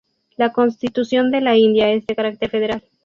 La Constitución de la India es de carácter federal.